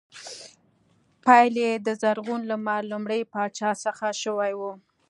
پیل یې د زرغون لمر لومړي پاچا څخه شوی و